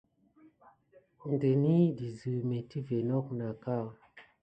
Ndəni dezu métivə not nako nat ka.